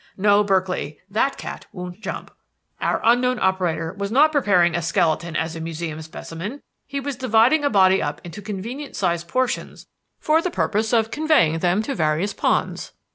No, Berkeley, that cat won't jump. Our unknown operator was not preparing a skeleton as a museum specimen; he was dividing a body up into convenient sized portions for the purpose of conveying them to various ponds.